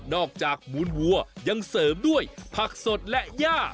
จากหมูนวัวยังเสริมด้วยผักสดและย่า